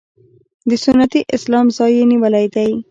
د سنتي اسلام ځای یې نیولی دی.